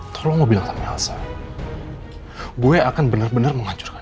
tolong mau bilang sama elsa gue akan bener bener menghancurkan